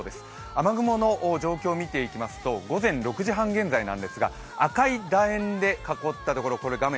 雨雲の状況を見ていきますと午前６時３０現在なんですが、赤い楕円で囲ったところ、画面